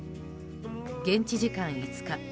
現地時間５日